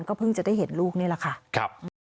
เพิ่งจะได้เห็นลูกนี่แหละค่ะ